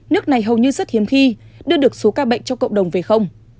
nước này hầu như rất hiếm khi đưa được số ca bệnh trong cộng đồng về không